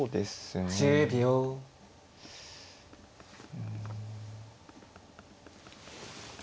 うん。